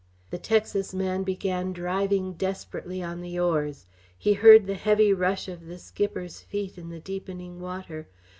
The Texas man began driving desperately on the oars. He heard the heavy rush of the skipper's feet in the deepening water.